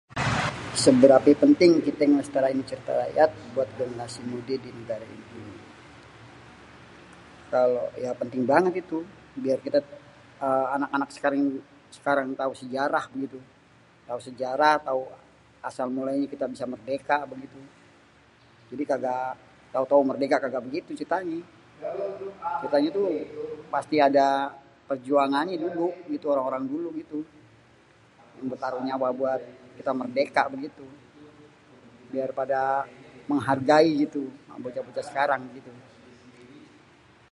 """Seberapa penting kité ngelestariin cerita rakyat keyang masih mudé di negara kité ini?"", kalo ya penting banget itu biar kalo anak-anak sekarang sekarang tau sejarah begitu, tau sejarah, tau asal mulanya kita bisa merdeka itu. Jadi kagak tau kagak merdeka kayak gitu ceritanya. Kita itu pasti ada perjuangannya dulu orang-orang dulu gitu bertaruh nyawa kita merdeka begitu. Biar pada menghargai gitu, bocah-bocah sekarang gitu. "